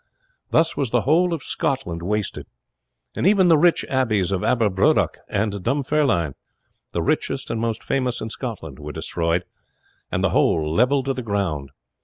Thus was the whole of Scotland wasted; and even the rich abbeys of Abberbredok and Dunfermline, the richest and most famous in Scotland, were destroyed, and the whole levelled to the ground.